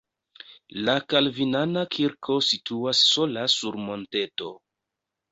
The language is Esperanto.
La kalvinana kirko situas sola sur monteto.